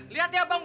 lihat ya bang gue